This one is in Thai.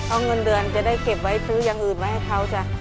เอาเงินเดือนจะได้เก็บไว้ซื้ออย่างอื่นมาให้เขาจ้ะ